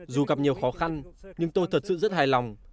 dù gặp nhiều khó khăn nhưng tôi thật sự rất hài lòng